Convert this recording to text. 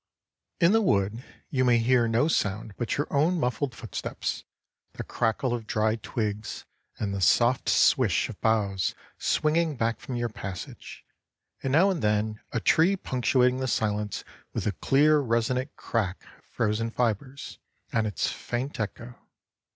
In the wood you may hear no sound but your own muffled footsteps, the crackle of dry twigs, and the soft swish of boughs swinging back from your passage, and now and then a tree punctuating the silence with a clear resonant crack of frozen fibres and its faint echo.